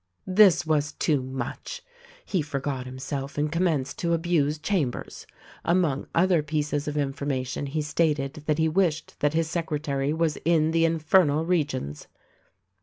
This was too much ! He forgot himself and commenced to abuse Chambers. Among other pieces of information he stated that he wished that his secretary was in the infernal regions.